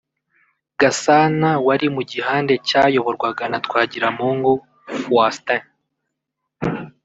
Gasana wari mu gihande cyayoborwaga na Twagiramungu Fuastin